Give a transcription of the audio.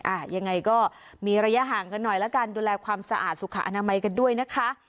ยังไงก็มีระยะห่างกันหน่อยแล้วกันดูแลความสะอาดสุขอนามัยกันด้วยนะคะ